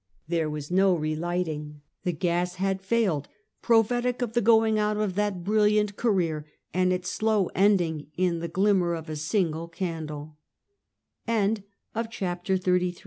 There was no re lighting. The gas had failed, pro phetic of the going out of that brilliant career, and its slow ending in the glimmer of a single candle. CHAPTEK XXXIV.